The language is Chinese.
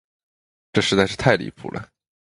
这实在是太离谱了。